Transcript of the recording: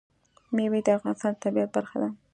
مېوې د افغانستان د طبیعت برخه ده.